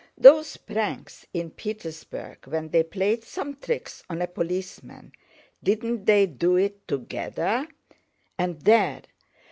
Those pranks in Petersburg when they played some tricks on a policeman, didn't they do it together? And there!